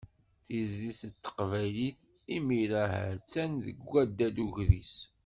Tizlit n teqbaylit imir-a, ha-tt-an deg waddad ukris.